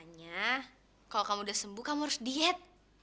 katanya kalau kamu udah sembuh kamu harus diet